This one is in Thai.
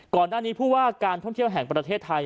ก่อนหน้านี้ผู้ว่าการท่องเที่ยวแห่งประเทศไทย